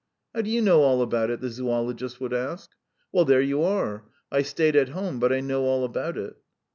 "How do you know all about it?" the zoologist would ask. "Well, there you are! I stayed at home, but I know all about it."